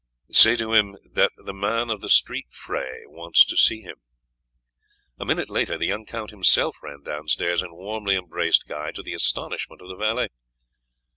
"Say to him that the man of the street fray wants to see him." A minute later the young count himself ran downstairs and warmly embraced Guy, to the astonishment of the valet.